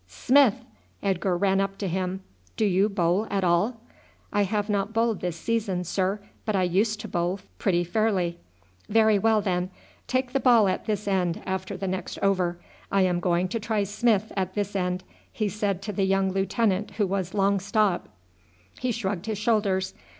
"Smith!" Edgar ran up to him. "Do you bowl at all?" "I have not bowled this season, sir, but I used to bowl pretty fairly." "Very well, then, take the ball at this end after the next over. I am going to try Smith at this end," he said to the young lieutenant who was long stop. He shrugged his shoulders.